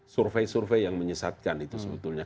survei survei yang menyesatkan itu sebetulnya